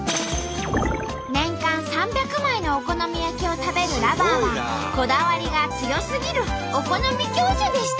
年間３００枚のお好み焼きを食べるＬｏｖｅｒはこだわりが強すぎるお好み教授でした！